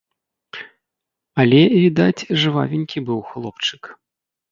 Але, відаць, жвавенькі быў хлопчык.